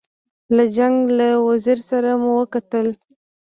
له جنګ له وزیر سره مو وکتل.